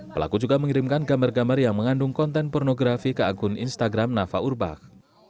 pelaku juga mengirimkan gambar gambar yang mengandung konten pornografi ke akun instagram nafa urbah